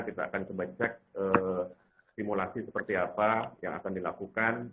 kita akan coba cek simulasi seperti apa yang akan dilakukan